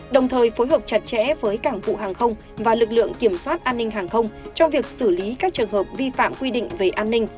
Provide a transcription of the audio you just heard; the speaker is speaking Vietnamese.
đồng thời phối hợp chặt chẽ với cảng vụ hàng không và lực lượng kiểm soát an ninh hàng không trong việc xử lý các trường hợp vi phạm quy định về an ninh